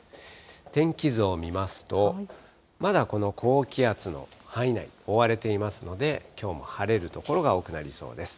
天気図を見ますと、まだこの高気圧の範囲内、覆われていますので、きょうも晴れる所が多くなりそうです。